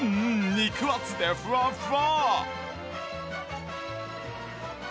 肉厚でふわっふわ！